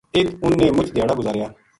اِت اُنھ نے مُچ دھیاڑا گزاریا